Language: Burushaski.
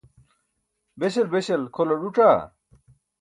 beśal beśal kʰolar ẓuc̣aa?